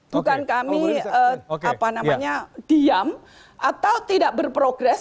bukan kami diam atau tidak berprogres